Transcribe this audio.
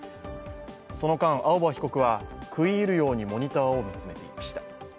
その間、青葉被告は食い入るようにモニターを見つめていました。